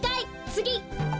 つぎ！